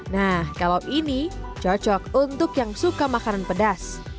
nah kalau ini cocok untuk yang suka makanan pedas